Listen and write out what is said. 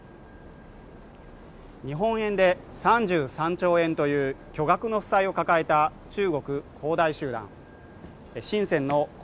日本円で３３兆円という巨額の負債を抱えた中国恒